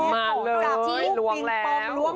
มากครับจริง